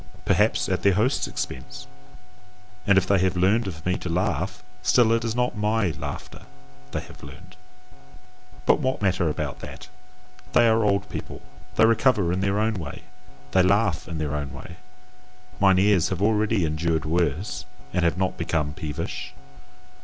perhaps at their host's expense; and if they have learned of me to laugh, still it is not MY laughter they have learned. But what matter about that! They are old people: they recover in their own way, they laugh in their own way; mine ears have already endured worse and have not become peevish.